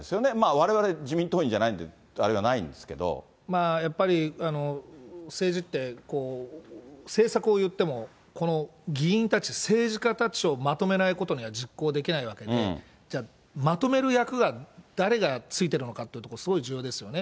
われわれ、自民党員じゃないんでやっぱり、政治って政策を言っても、この議員たち、政治家たちをまとめないことには実行できないわけで、じゃあ、まとめる役は誰がついてるのかっていうところ、すごい重要ですよね。